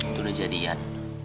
itu udah jadian